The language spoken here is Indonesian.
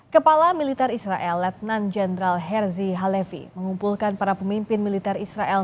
kepala militer israel letnan jenderal herzy halevi mengumpulkan para pemimpin militer israel